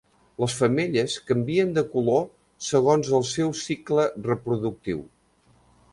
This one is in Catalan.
Les femelles canvien de color segons el seu cicle reproductiu.